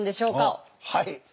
はい。